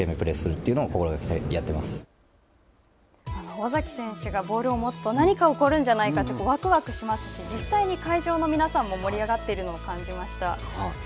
尾崎選手がボールを持つと、何か起こるんじゃないかって、わくわくしますし、実際に会場の皆さんも盛り上がっているのを感じました。